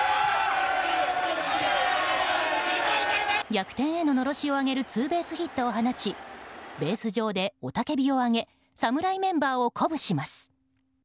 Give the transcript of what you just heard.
逆転へののろしを上げるツーベースヒットを放ちベース上で雄たけびをあげ侍メンバーを鼓舞します。